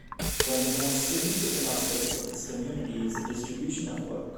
One of the most significant aspects of this community is the distribution of work.